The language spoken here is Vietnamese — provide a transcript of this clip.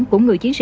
của người chiến sĩ